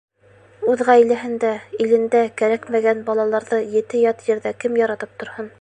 Үҙ ғаиләһендә, илендә кәрәкмәгән балаларҙы ете-ят ерҙә кем яратып торһон.